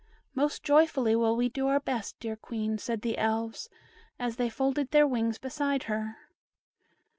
"Most joyfully will we do our best, dear Queen," said the Elves, as they folded their wings beside her.